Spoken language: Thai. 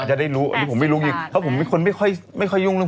ไหนจะได้รู้อันนี้ผมไม่รู้ยิงว่างี้เค้าไม่ยุ่งเว้ยครับ